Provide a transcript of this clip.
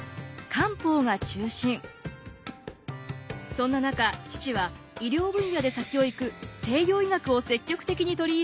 そんな中父は医療分野で先を行く西洋医学を積極的に取り入れていました。